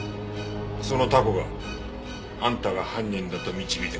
そのタコがあんたが犯人だと導いてくれた。